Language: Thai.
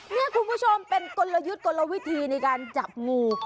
นี่คุณผู้ชมเป็นกลยุทธ์กลวิธีในการจับงู